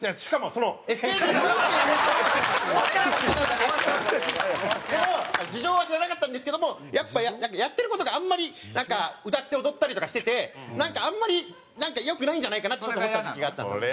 その事情は知らなかったんですけどもやっぱりやってる事があんまりなんか歌って踊ったりとかしててなんかあんまり良くないんじゃないかなってちょっと思った時期があったんですよ。